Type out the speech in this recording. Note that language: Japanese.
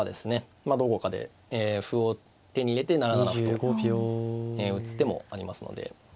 まあどこかで歩を手に入れて７七歩と打つ手もありますので。